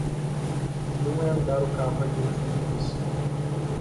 Não é andar o carro adiante dos bois.